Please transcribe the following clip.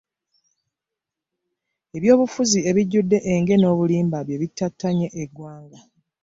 Ebyobufuzi ebijjudde enge n'obulimba bye bittattanye eggwanga.